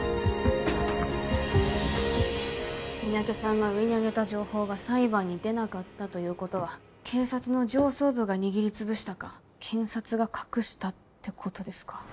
三宅さんが上にあげた情報が裁判に出なかったということは警察の上層部が握りつぶしたか検察が隠したってことですか？